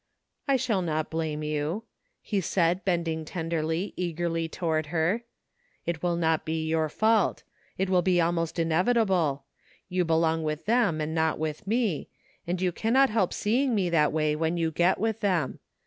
" I shall not blame you," he said bending tenderly, eagerly toward her. " It will not be your fault. It will be almost inevitable. You belong with them and not with me, and you cannot help seeing me that way when you get with them.